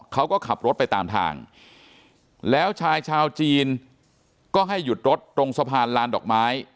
เขาก็ขับรถไปตามทางแล้วชายชาวจีนก็ให้หยุดรถตรงสะพานลานดอกไม้